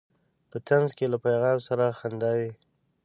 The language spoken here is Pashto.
په طنز کې له پیغام سره خندا وي.